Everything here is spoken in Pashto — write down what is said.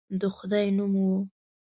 د خدای نوم وو.